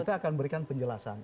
kita akan berikan penjelasan